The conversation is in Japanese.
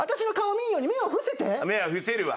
目は伏せるわ。